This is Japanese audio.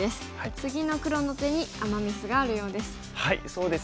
次の黒の手にアマ・ミスがあるようです。